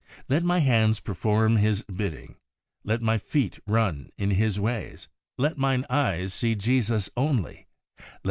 Let my hands perform His bidding, Let my feet run in His ways, Let mine eyes see Jesus only.